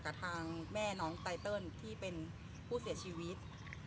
กับทางแม่น้องไตเติลที่เป็นผู้เสียชีวิต